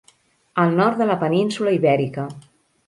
El nord de la península ibèrica.